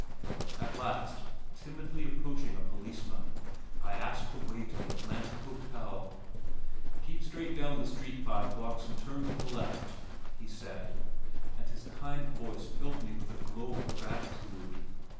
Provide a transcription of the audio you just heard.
At last, timidly approaching a policeman, I asked the way to the Atlantic Hotel. "Keep straight down the street five blocks and turn to the left," he said, and his kind voice filled me with a glow of gratitude.